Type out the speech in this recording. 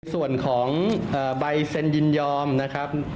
ส่วนของใบเซ็นยินยอมนะครับ